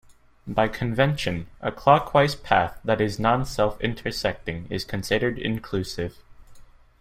By convention, a clockwise path that is non-self-intersecting is considered inclusive.